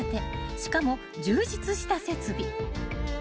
［しかも充実した設備］